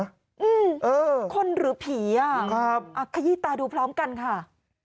อืมคนหรือผีอ่ะขยีตาดูพร้อมกันค่ะค่ะ